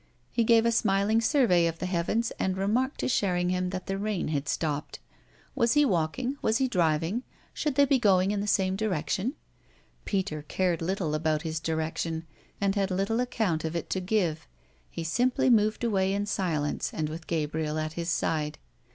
He gave a smiling survey of the heavens and remarked to Sherringham that the rain had stopped. Was he walking, was he driving, should they be going in the same direction? Peter cared little about his direction and had little account of it to give; he simply moved away in silence and with Gabriel at his side.